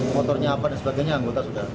motornya apa dan sebagainya anggota sudah